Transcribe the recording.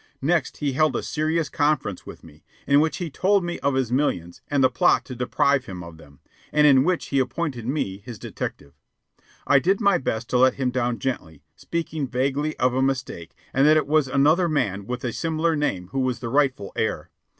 Next he held a serious conference with me, in which he told me of his millions and the plot to deprive him of them, and in which he appointed me his detective. I did my best to let him down gently, speaking vaguely of a mistake, and that it was another man with a similar name who was the rightful heir.